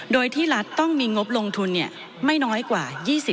โดยที่รัฐต้องมีงบลงทุนไม่น้อยกว่า๒๐